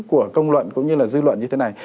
của công luận cũng như là dư luận như thế này